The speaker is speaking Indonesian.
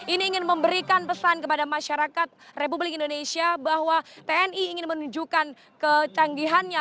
ini ingin memberikan pesan kepada masyarakat republik indonesia bahwa tni ingin menunjukkan kecanggihannya